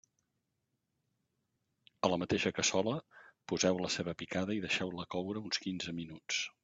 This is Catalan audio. A la mateixa cassola poseu la ceba picada i deixeu-la coure uns quinze minuts.